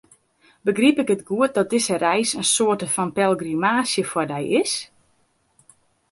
Begryp ik it goed dat dizze reis in soarte fan pelgrimaazje foar dy is?